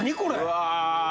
うわ。